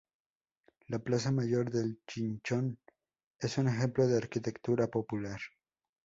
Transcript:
La Plaza Mayor de Chinchón es un ejemplo de arquitectura popular.